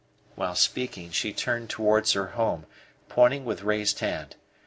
While speaking she turned towards her home, pointing with raised hand.